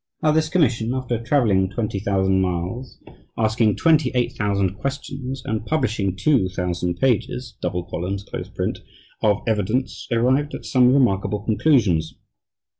Now this commission, after travelling twenty thousand miles, asking twenty eight thousand questions, and publishing two thousand pages (double columns, close print) of evidence, arrived at some remarkable conclusions.